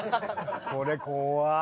これ怖っ！